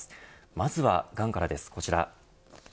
まずはがんからです、こちら。